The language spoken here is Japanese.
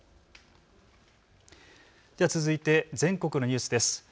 続いて全国のニュースです。